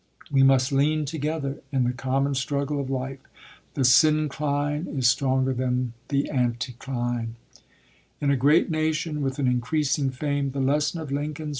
We must lean together in the common struggle of life: the syncline is stronger than the anticline.